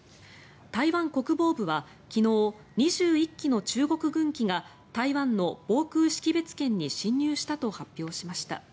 台湾国防部は昨日、２１機の中国軍機が台湾の防空識別圏に侵入したと発表しました。